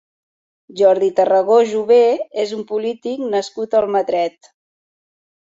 Jordi Tarragó Jové és un polític nascut a Almatret.